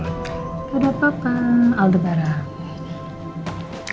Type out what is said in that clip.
gak ada apa apa aldebaran